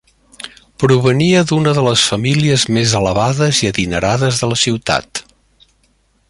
Provenia d'una de les famílies més elevades i adinerades de la ciutat.